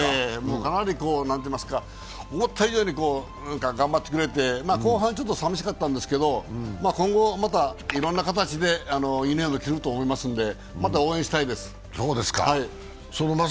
かなりこう、思った以上に頑張ってくれて後半ちょっとさみしかったんですけど今後またいろんな形でユニフォーム着れると思うのでまた応援したいと思います。